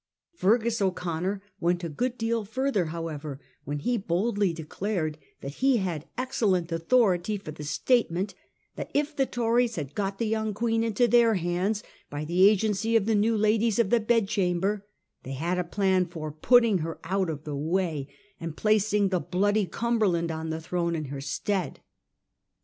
Feargus O'Connor went a good deal further, however, when he boldly declared that he had excellent authority for the statement, that if the Tories had got the young Queen into their hands by the agency of the new ladies of the bedchamber, they had a plan for putting her out of the way and placing ' the bloody Cumber land ' on the throne in her stead.